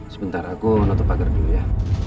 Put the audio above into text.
sebentar aku notepad dulu ya